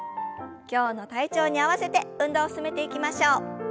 今日の体調に合わせて運動を進めていきましょう。